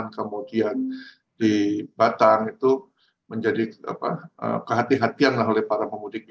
kemudian di batang itu menjadi kehatian kehatian oleh para pemudik ini